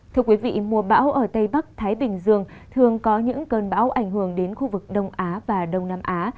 thưa quý vị mùa bão ở tây bắc thái bình dương thường có những cơn bão ảnh hưởng đến khu vực đông á và đông nam á